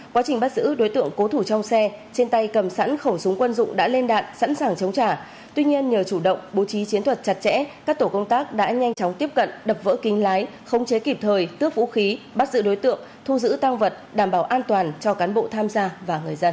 quá trình bắt giữ đối tượng cố thủ trong xe trên tay cầm sẵn khẩu súng quân dụng đã lên đạn sẵn sàng chống trả tuy nhiên nhờ chủ động bố trí chiến thuật chặt chẽ các tổ công tác đã nhanh chóng tiếp cận đập vỡ kính lái không chế kịp thời tước vũ khí bắt giữ đối tượng thu giữ tăng vật đảm bảo an toàn cho cán bộ tham gia và người dân